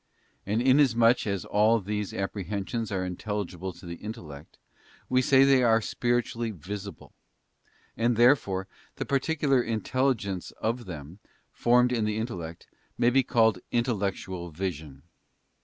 And inasmuch as all these apprehensions are intelligible to the intellect, we say that they are spiritually visible; and therefore the particular in telligence of them, formed in the intellect, may be called intellectual vision.